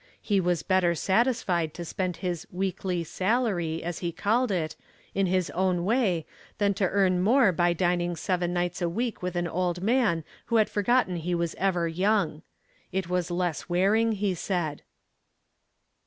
He was better satisfied to spend his "weakly salary," as he called it, in his own way than to earn more by dining seven nights a week with an old man who had forgotten he was ever young. It was less wearing, he said.